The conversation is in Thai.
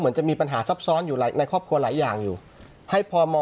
จะมีปัญหาซับซ้อนอยู่ในครอบครัวหลายอย่างอยู่ให้พม